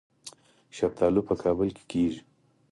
شفتالو په کابل کې کیږي